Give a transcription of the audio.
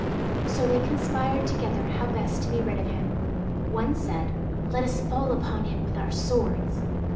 So they conspired together how best to be rid of him. One said, "Let us fall upon him with our swords."